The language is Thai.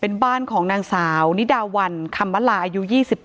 เป็นบ้านของนางสาวนิดาวันคำมลาอายุ๒๘